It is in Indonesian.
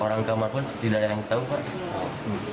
orang kamar pun tidak ada yang tahu pak